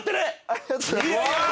ありがとうございますうわ